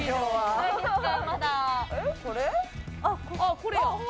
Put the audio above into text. これや。